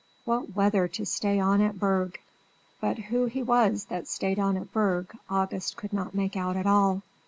"What weather to stay on at Berg!" But who he was that stayed on at Berg, August could not make out at all.